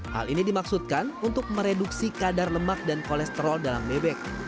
hal ini dimaksudkan untuk mereduksi kadar lemak dan kolesterol dalam bebek